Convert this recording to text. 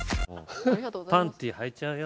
パンティはいちゃうよ。